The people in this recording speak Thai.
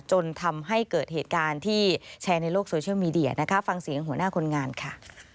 จนทำให้เกิดเหตุการณ์ที่แชร์ในโลกโซเชียลมีเดียนะคะฟังเสียงหัวหน้าคนงานค่ะ